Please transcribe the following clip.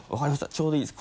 ちょうどいいです。